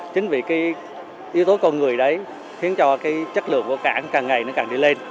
chính vì yếu tố con người đấy khiến cho chất lượng của cảng càng ngày càng đi lên